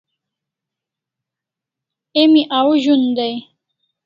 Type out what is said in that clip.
Emi au zun dai